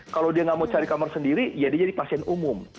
kalau dia nggak mau cari kamar sendiri ya dia jadi pasien umum